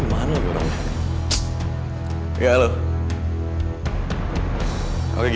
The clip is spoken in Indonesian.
mana mobil gue jauh lagi